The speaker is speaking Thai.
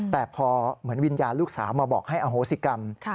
แต่พอเหมือนวิญญาณลูกสาวมาบอกให้อโหสิกรรม